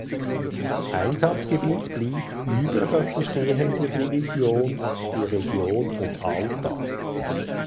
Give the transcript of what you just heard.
Einsatzgebiet blieb über das Bestehen der Division die Region um Alta.